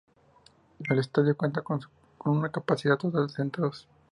El estadio cuenta con una capacidad total de sentados.